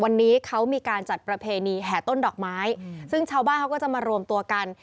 วันนี้เขามีการจัดประเพณีแห่ต้นดอกไม้ซึ่งชาวบ้านเขาก็จะมารวมตัวกัน